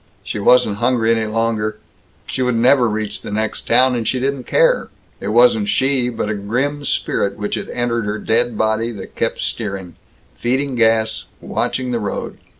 She wasn't hungry any longer. She would never reach the next town and she didn't care. It wasn't she, but a grim spirit which had entered her dead body, that kept steering, feeding gas, watching the road.